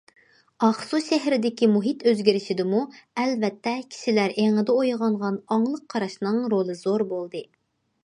ئاقسۇ شەھىرىدىكى مۇھىت ئۆزگىرىشىدىمۇ، ئەلۋەتتە، كىشىلەر ئېڭىدا ئويغانغان ئاڭلىق قاراشنىڭ رولى زور بولدى.